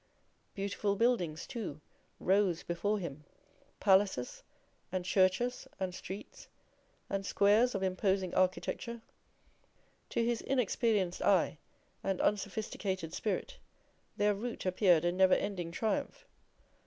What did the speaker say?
Beautiful buildings, too, rose before him; palaces, and churches, and streets, and squares of imposing architecture; to his inexperienced eye and unsophisticated spirit their route appeared a never ending triumph.